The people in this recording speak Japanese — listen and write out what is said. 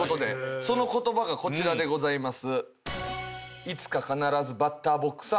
その言葉がこちらでございます。